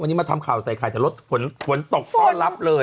วันนี้มาทำข่าวใส่ไข่แต่รถฝนตกต้อนรับเลย